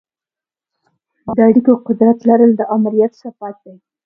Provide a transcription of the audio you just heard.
د اړیکو قدرت لرل د آمریت صفت دی.